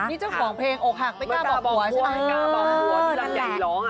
นี่เจ้าของเพลงอกหักไม่กล้าบอกบัวที่รักใหญ่ร้อง